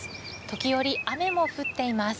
時折、雨も降っています。